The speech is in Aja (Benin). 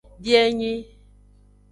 Bienyi.